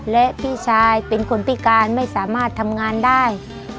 และพี่ชายเป็นคนพิการไม่สามารถทำงานได้